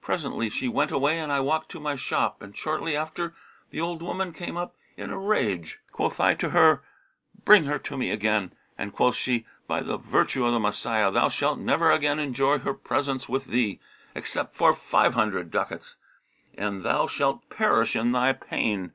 Presently she went away and I walked to my shop, and shortly after the old woman came up, in a rage. Quoth I to her, 'Bring her to me again;' and quoth she, 'By the virtue of the Messiah, thou shalt never again enjoy her presence with thee, except for five hundred ducats, and thou shalt perish in thy pain!'